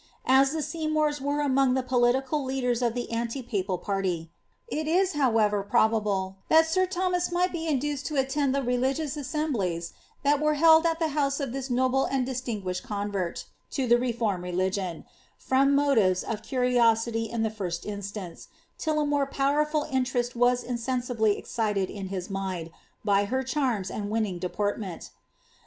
As the Seymours were among the political leidi of the anti papal party, it is, however, probable that sir Thomas nu| be induced to attend the religious assemblies that were held at the hoi of til is noble and distinguished convert to the reformed religioa, fin motives of curiosity in the first instance, till a more powerful inten was insensibly excited in his mind, by her charms and winning depo ment.